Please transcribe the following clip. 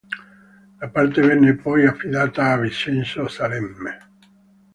La parte venne poi affidata a Vincenzo Salemme.